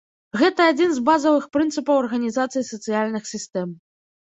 Гэта адзін з базавых прынцыпаў арганізацыі сацыяльных сістэм.